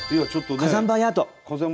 火山灰アート。